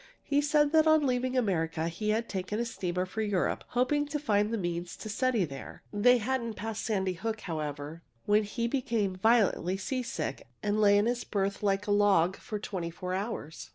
He said that on leaving America he had taken a steamer for Europe, hoping to find the means to study there. They hadn't passed Sandy Hook, however, before he became violently seasick, and lay in his berth like a log for twenty four hours.